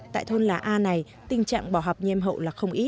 tại thôn lá a này tình trạng bỏ học như em hậu là không ít